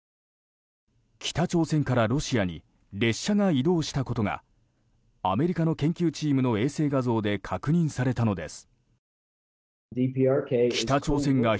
北朝鮮からロシアに列車が移動したことがアメリカの研究チームの衛星画像で確認されたのです。